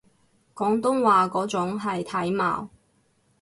廣東話嗰種係體貌